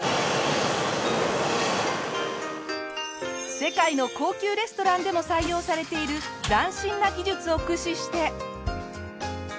世界の高級レストランでも採用されている斬新な技術を駆使して。